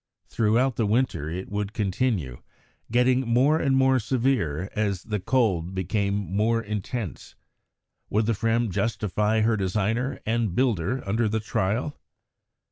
Throughout the winter it would continue, getting more and more severe as the cold became more intense. Would the Fram justify her designer and builder under the trial?